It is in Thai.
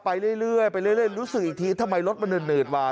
ไปเรื่อยรู้สึกอีกทีทำไมรถมันเหนืดว่า